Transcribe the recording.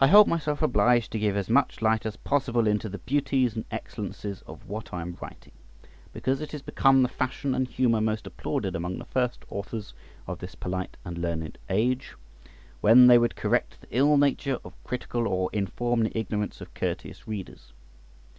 I hold myself obliged to give as much light as possible into the beauties and excellences of what I am writing, because it is become the fashion and humour most applauded among the first authors of this polite and learned age, when they would correct the ill nature of critical or inform the ignorance of courteous readers.